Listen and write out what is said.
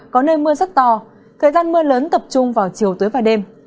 có nơi mưa rất to thời gian mưa lớn tập trung vào chiều tối và đêm